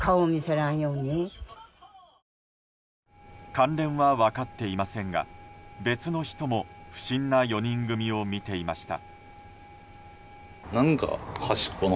関連は分かっていませんが別の人も不審な４人組を見ていました。